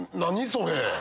それ。